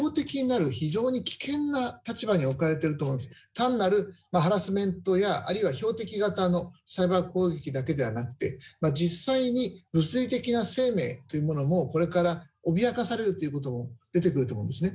単なるハラスメントやあるいは標的型のサイバー攻撃だけではなくて実際に物理的な生命というものもこれから脅かされるということも出てくると思うんですね。